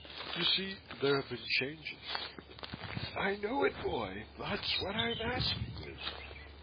You see, there have been changes " "I know it, boy! That's what I'm asking you!"